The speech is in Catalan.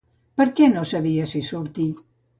Per què no sabia si sortir?